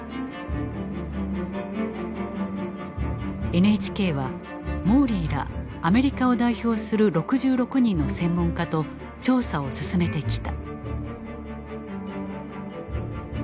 ＮＨＫはモーリーらアメリカを代表する６６人の専門家と調査を進めてきた。